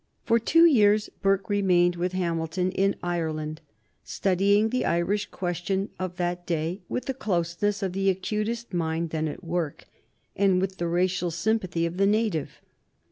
For two years Burke remained with Hamilton in Ireland, studying the Irish question of that day, with the closeness of the acutest mind then at work and with the racial sympathy of the native.